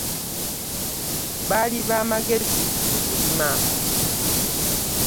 Baali baamagezi mu kulima.